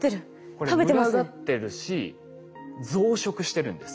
これ群がってるし増殖してるんです。